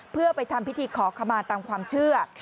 เพื่อไปทำพิธีขอขมาตามความเชื่อ